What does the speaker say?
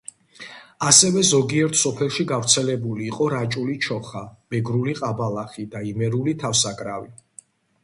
ასევე ზოგიერთ სოფელში გავრცელებული იყო რაჭული ჩოხა, მეგრული ყაბალახი და იმერული თავსაკრავი.